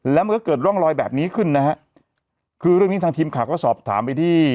แล้วมันก็เกิดร่องรอยแบบนี้ขึ้นนะฮะคือเรื่องนี้ทางทีมข่าวก็สอบถามไปที่